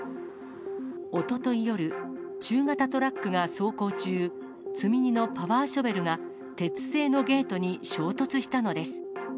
おととい夜、中型トラックが走行中、積み荷のパワーショベルが鉄製のゲートに衝突したのです。